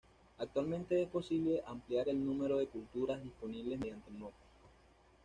Actualmente es posible ampliar el número de culturas disponibles mediante Mods.